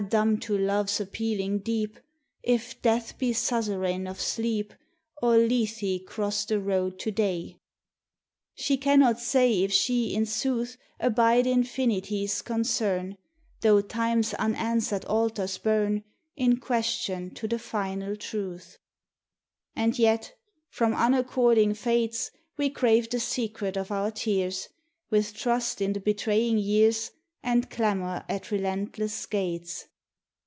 dumb to Love's appealing Deep!) If Death be suzerain of Sleep, Or Lethe cross the road to Day. She cannot say if she in sooth Abide Infinity's concern, Tho' Time's unanswered altars burn In question to the final Truth. 73 THE TESTIMONY OF THE SUNS. And yet from unaccording Fates We crave the secret of our tears, With trust in the betraying years, And clamor at relentless gates.